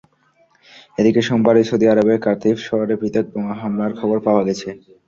এদিকে সোমবারই সৌদি আরবের কাতিফ শহরে পৃথক বোমা হামলার খবর পাওয়া গেছে।